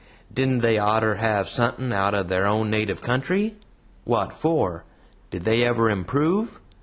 "Didn't they oughter have suthin' out of their native country? Wot for? Did they ever improve?